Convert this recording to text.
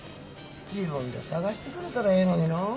自分で探してくれたらええのにのう。